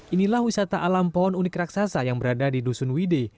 inilah wisata alam pohon unik raksasa yang berada di dusun wide